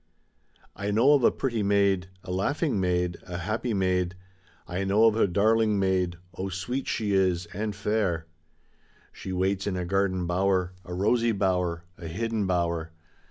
I know of a pretty maid, a laughing maid, a happy maid, I know of a darling maid, oh, sweet she is and fair; She waits in a garden bower, a rosy bower, a hidden bower.